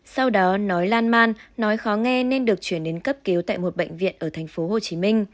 sau đó nói lan man nói khó nghe nên được chuyển đến cấp cứu tại một bệnh viện ở tp hcm